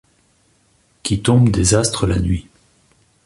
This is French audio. Qui tombe des astres la nuit.